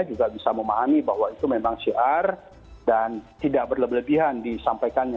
juga bisa memahami bahwa itu memang syiar dan tidak berlebihan disampaikannya